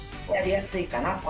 やりやすいかな